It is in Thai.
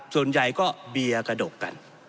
ส่วนใหญ่ก็เบียร์กระดกกัน